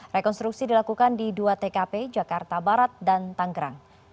rekonstruksi dilakukan di dua tkp jakarta barat dan tanggerang